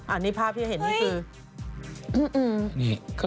อันนี้ภาพที่เห็นนี่คือ